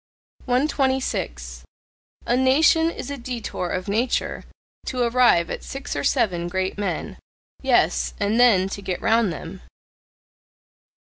126. A nation is a detour of nature to arrive at six or seven great men. Yes, and then to get round them.